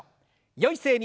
よい姿勢に。